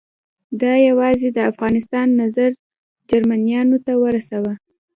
ده یوازې د افغانستان نظر جرمنیانو ته ورساوه.